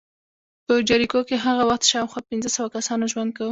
په جریکو کې هغه وخت شاوخوا پنځه سوه کسانو ژوند کاوه